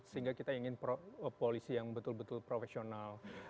sehingga kita ingin polisi yang betul betul profesional